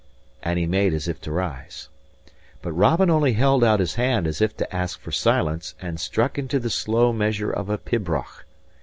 And he made as if to rise. But Robin only held out his hand as if to ask for silence, and struck into the slow measure of a pibroch.